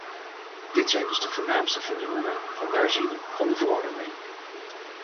Dit zijn dus de voornaamste vernieuwingen van de herziening van de verordening.